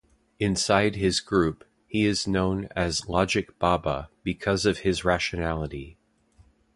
Inside his group, he is known as Logic Baba because of his rationality.